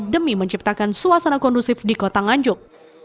demi menciptakan suasana kondusif di kota nganjuk